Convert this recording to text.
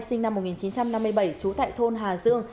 sinh năm một nghìn chín trăm năm mươi bảy trú tại thôn hà dương